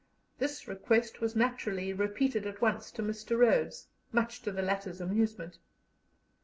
This request was naturally repeated at once to Mr. Rhodes, much to the latter's amusement.